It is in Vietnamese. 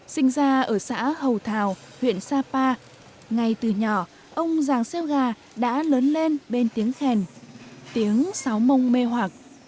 sinh ra ở xã hầu thào huyện sapa ngay từ nhỏ ông giàng xeo gà đã lớn lên bên tiếng khen tiếng sáu mông mê hoặc